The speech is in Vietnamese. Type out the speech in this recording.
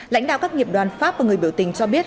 lãnh đạo các nghiệp đoàn pháp và người biểu tình cho biết